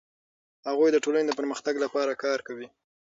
هغوی د ټولنې د پرمختګ لپاره کار کوي.